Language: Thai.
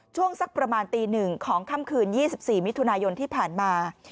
ช่วงสักประมาณตี๑ของค่ำคืน๒๔มิถุนายนที่ผ่านมา